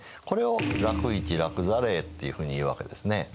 これを楽市・楽座令っていうふうにいうわけですね。